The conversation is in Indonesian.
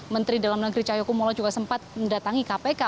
menteri dalam negeri cahayu kumulo juga sempat mendatangi kpk